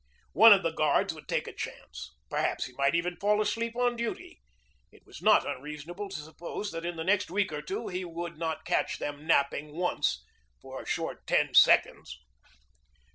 One of the guards would take a chance. Perhaps he might even fall asleep on duty. It was not reasonable to suppose that in the next week or two he would not catch them napping once for a short ten seconds.